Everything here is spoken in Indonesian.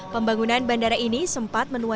pembangunan bandara ini sempat menuai